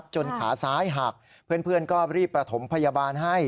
จนขาซ้ายหักเพื่อนก็รีบประถมพยาบาลให้